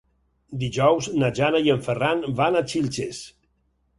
Dijous na Jana i en Ferran van a Xilxes.